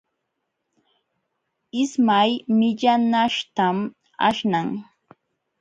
Ismay millanaśhtam aśhnan.